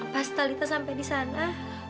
pas talitha sampai di sana